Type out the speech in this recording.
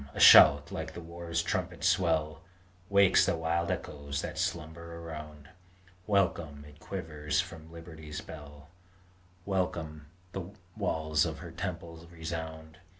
a shout like the war trumpet's swell Wakes the wild echoes that slumber around! Welcome! it quivers from Liberty's bell; Welcome! the walls of her temple resound!